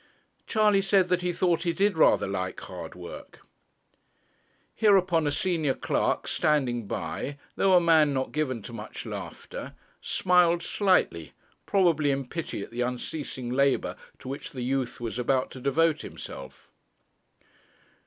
Charley said that he thought he did rather like hard work. Hereupon a senior clerk standing by, though a man not given to much laughter, smiled slightly, probably in pity at the unceasing labour to which the youth was about to devote himself.